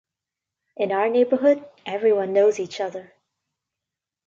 In our neighborhood everyone knows each other.